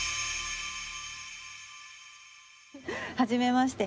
はじめまして。